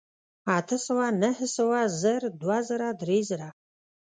اتۀ سوه نهه سوه زر دوه زره درې زره